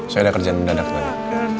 saya udah kerjaan mendadak tadi